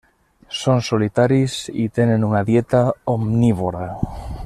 Són solitaris i tenen una dieta omnívora.